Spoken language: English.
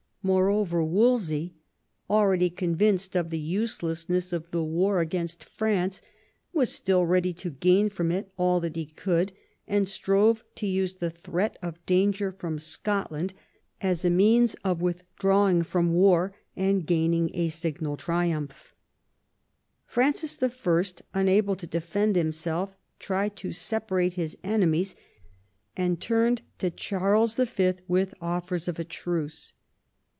Moreover, Wolsey, already convinced of the uselessness of the war against France, was still ready to gain from it all that he could, and strove to use the threat of danger from Scotland as a means of withdrawing from war and gaining a signal triumph. Francis I., unable to defend himself, tried to separate his enemies, and turned to Charles Y. with offers of a truce.